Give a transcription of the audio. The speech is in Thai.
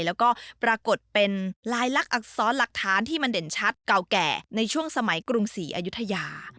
แล้วก็ปรากฏเป็นลายลักษรหลักฐานที่มันเด่นชัดเก่าแก่ในช่วงสมัยกรุงศรีอายุทยา